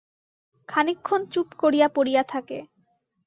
খানিকক্ষণ চুপ করিয়া পড়িয়া থাকে।